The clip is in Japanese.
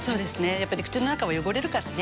やっぱり口の中は汚れるからね。